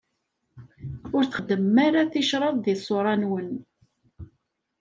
Ur txeddmem ara ticraḍ di ṣṣura-nwen.